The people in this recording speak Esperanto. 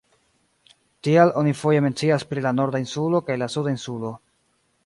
Tial oni foje mencias pri la Norda Insulo kaj la Suda Insulo.